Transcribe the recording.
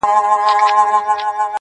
ځي تر اباسینه د کونړ د یکه زار څپې٫